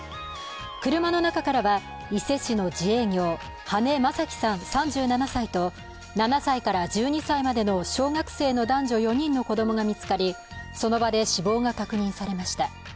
車の中からは、伊勢市の自営業羽根正樹さん３７歳と７歳から１２歳までの小学生の男女４人の子供が見つかり、その場で死亡が確認されました。